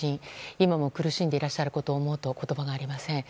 今も苦しんでいらっしゃることを思うと言葉がありません。